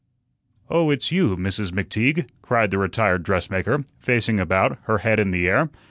"Oh, it's you, Mrs. McTeague," cried the retired dressmaker, facing about, her head in the air.